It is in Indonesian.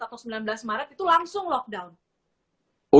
atau sembilan belas maret itu langsung lockdown